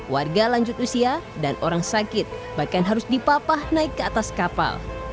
warga lanjut usia dan orang sakit bahkan harus dipapah naik ke atas kapal